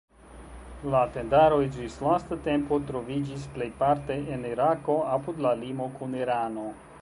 La tendaroj ĝis lasta tempo troviĝis plejparte en Irako, apud la limo kun Irano.